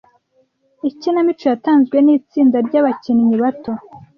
Ikinamico yatanzwe nitsinda ryabakinnyi bato.